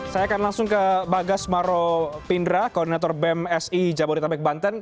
saya akan langsung ke bagas maro pindra koordinator bemsi jabodetabek banten